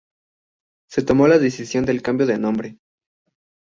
Se tomó la decisión del cambio de nombre.